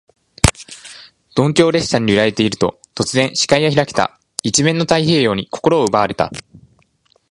鈍行列車に揺られていると、突然、視界が開けた。一面の太平洋に心を奪われた。